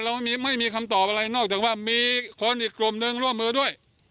ไม่มีไม่มีคำตอบอะไรนอกจากว่ามีคนอีกกลุ่มหนึ่งร่วมมือด้วย